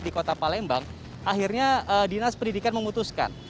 di kota palembang akhirnya dinas pendidikan memutuskan